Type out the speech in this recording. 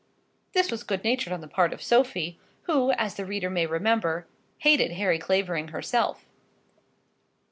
[This was good natured on the part of Sophie, who, as the reader may remember, hated Harry Clavering herself.